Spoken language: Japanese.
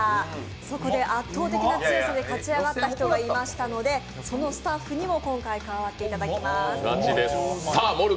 そこで圧倒的なうまさで勝ち上がった人がいましたのでそのスタッフにも今回、加わってもらいます。